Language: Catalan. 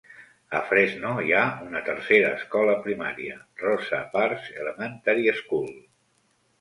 A Fresno hi ha una tercera escola primària, Rosa Parks Elementary School.